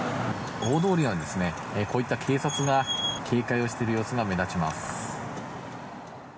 大通りはこういった警察が警戒をしている様子が目立ちます。